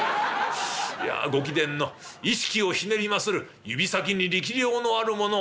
いやご貴殿の居敷きをひねりまする指先に力量のある者を」。